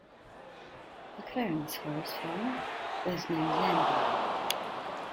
McFerran's horse farm was named Glen View.